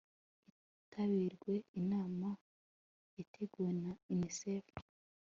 hitabiriwe inama yateguwe na unicef